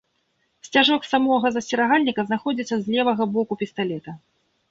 Сцяжок самога засцерагальніка знаходзіцца з левага боку пісталета.